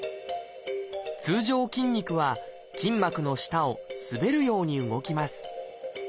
通常筋肉は筋膜の下を滑るように動きます。